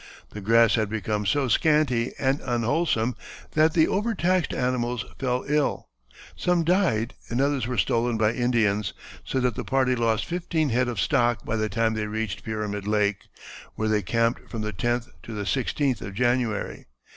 The grass had become so scanty and unwholesome that the overtaxed animals fell ill; some died and others were stolen by Indians, so that the party lost fifteen head of stock by the time they reached Pyramid Lake, where they camped from the 10th to the 16th of January.